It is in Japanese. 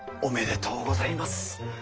おめでとうございます。